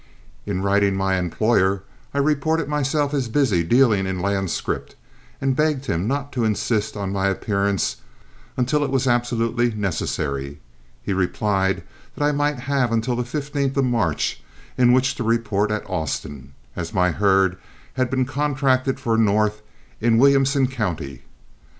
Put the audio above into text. In writing my employer I reported myself as busy dealing in land scrip, and begged him not to insist on my appearance until it was absolutely necessary. He replied that I might have until the 15th of March in which to report at Austin, as my herd had been contracted for north in Williamson County.